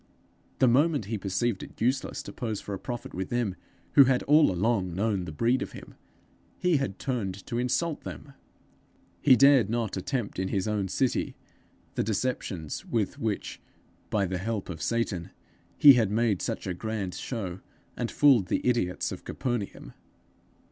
The moment he perceived it useless to pose for a prophet with them, who had all along known the breed of him, he had turned to insult them! He dared not attempt in his own city the deceptions with which, by the help of Satan, he had made such a grand show, and fooled the idiots of Capernaum!